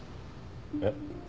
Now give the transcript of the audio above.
えっ？